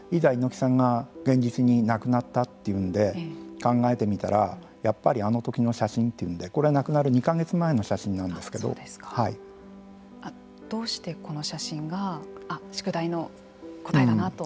猪木さんが現実に亡くなったというんで考えてみたらやっぱりあの時の写真というんでこれは亡くなる２か月前の写真なんですけどどうしてこの写真が宿題の答えだなと。